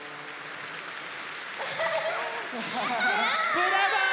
ブラボー！